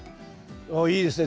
おっいいですね